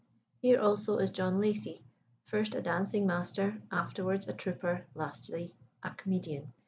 Here, also, is John Lacey first a dancing master, afterwards a trooper, lastly a comedian.